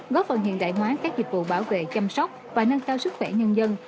góp phần hiện đại hóa các dịch vụ bảo vệ chăm sóc và nâng cao sức khỏe nhân dân